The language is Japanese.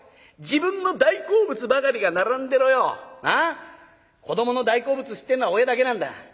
自分の大好物ばかりが並んでろよなあ子どもの大好物知ってんのは親だけなんだ。